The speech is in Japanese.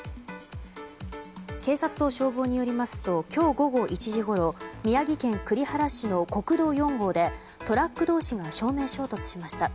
警察と消防によりますと今日午後１時ごろ宮城県栗原市の国道４号でトラック同士が正面衝突しました。